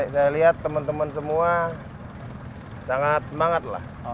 saya lihat teman teman semua sangat semangat lah